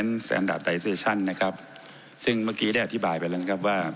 นะครับนะครับนะครับซึ่งเมื่อกี้ได้อธิบายไปแล้วนะครับว่า